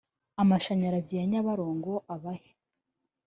amashanyarazi ya nyabarongo abahe